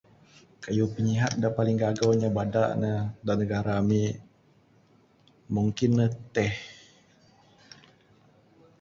Kayuh pinyihat da paling gago bada ne da negara ami mungkin ne teh